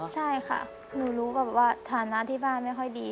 ใช่ค่ะหนูรู้แบบว่าฐานะที่บ้านไม่ค่อยดี